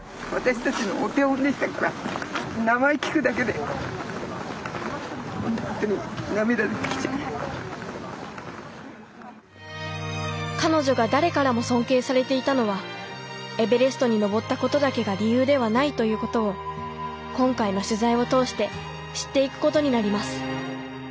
でも彼女が誰からも尊敬されていたのはエベレストに登ったことだけが理由ではないということを今回の取材を通して知っていくことになります